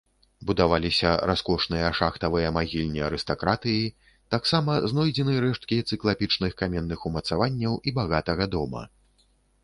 Будаваліся раскошныя шахтавыя магільні арыстакратыі, таксама знойдзены рэшткі цыклапічных каменных умацаванняў і багатага дома.